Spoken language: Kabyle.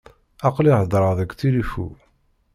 Aql-i heddreɣ deg tilifu.